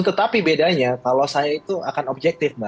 tetapi bedanya kalau saya itu akan objektif mbak